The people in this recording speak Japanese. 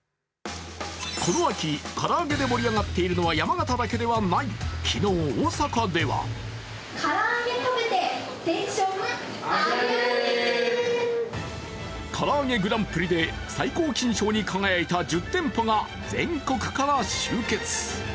この秋、唐揚げで盛り上がっているのは山形だけではない昨日、大阪ではからあげグランプリで最高金賞に輝いた１０店舗が全国から集結。